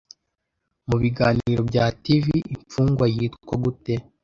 Mubiganiro bya TV Imfungwa yitwa gute